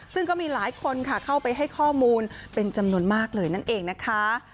ซึ่งก็มีหลายคนค่ะเข้าไปให้ข้อมูลเป็นจำนวนมากเลยนั่นเองนะคะ